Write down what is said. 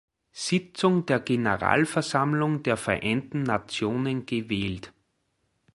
Sitzung der Generalversammlung der Vereinten Nationen gewählt.